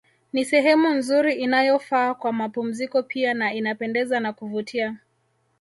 Ni sehemu nzuri inayofaa kwa mapumziko pia na inapendeza na kuvutia